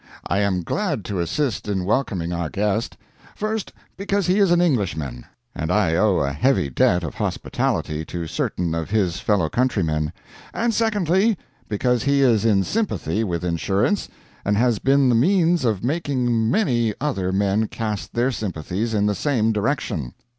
I am glad to assist in welcoming our guest first, because he is an Englishman, and I owe a heavy debt of hospitality to certain of his fellow countrymen; and secondly, because he is in sympathy with insurance and has been the means of making many other men cast their sympathies in the same direction.